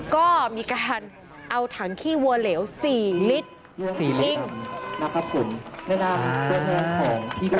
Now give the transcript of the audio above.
ก็มีการเอาถังขี้วัวเหลวสี่ลิตรสี่ลิตรน่ะครับผมอ่า